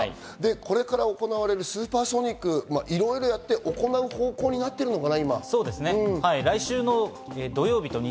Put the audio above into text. これから行われるスーパーソニック、いろいろやって行う方向になってるのかな？